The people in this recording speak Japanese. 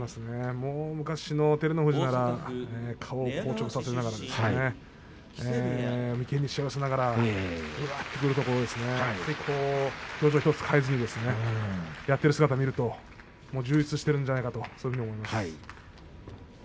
もう昔の照ノ富士なら顔を紅潮させながら眉間に、しわを寄せながらうわあとくるところを表情１つ変えずにやっている姿を見ると充実しているんじゃないかなとそういうふうに思います。